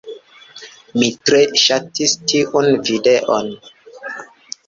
Mi tre ŝatis tiun videon.